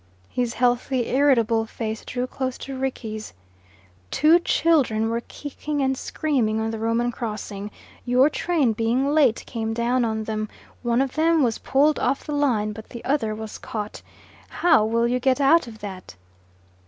His healthy, irritable face drew close to Rickie's. "Two children were kicking and screaming on the Roman crossing. Your train, being late, came down on them. One of them was pulled off the line, but the other was caught. How will you get out of that?"